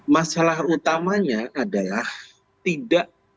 masalah utamanya adalah tidak